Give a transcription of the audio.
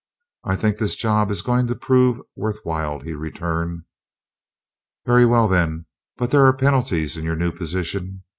"I think this job is going to prove worth while," he returned. "Very well, then. But there are penalties in your new position.